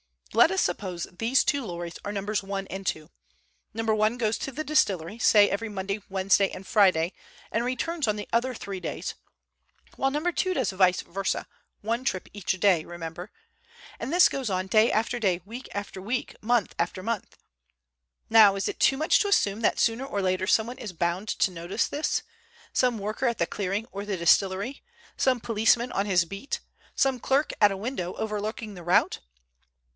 Let us suppose these two lorries are Nos. 1 and 2. No. 1 goes to the distillery say every Monday, Wednesday and Friday, and returns on the other three days, while No. 2 does vice versa, one trip each day remember. And this goes on day after day, week after week, month after month. Now is it too much to assume that sooner or later someone is bound to notice this—some worker at the clearing or the distillery, some policeman on his beat, some clerk at a window over looking the route?